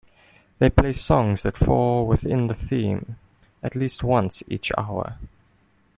They play songs that fall within the theme at least once each hour.